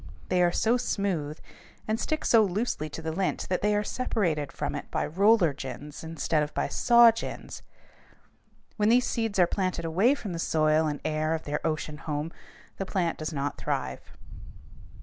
They are so smooth and stick so loosely to the lint that they are separated from it by roller gins instead of by saw gins. When these seeds are planted away from the soil and air of their ocean home, the plant does not thrive.